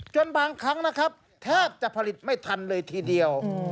บางครั้งนะครับแทบจะผลิตไม่ทันเลยทีเดียว